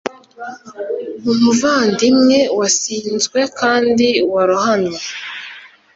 umuvandimwe wasizwe kandi warohamye,